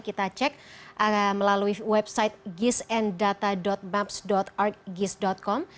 kita cek melalui website gisanddata maps argis com